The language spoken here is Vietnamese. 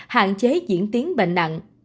hạn chế diễn tiến bệnh nặng